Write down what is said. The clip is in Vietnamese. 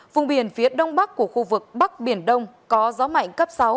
vùng biển phía đông bắc của khu vực bắc biển đông có gió mạnh cấp sáu